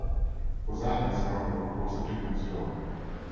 Pausanias, however, reports a different story.